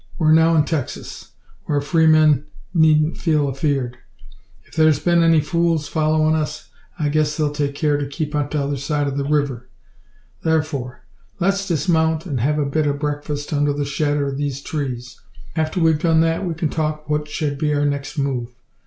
We're now in Texas, whar freemen needn't feel afeard. If thar's been any fools followin' us, I guess they'll take care to keep on t'other side o' the river. Tharfor, let's dismount and have a bit o' breakfast under the shadder o' these trees. After we've done that, we can talk about what shed be our next move.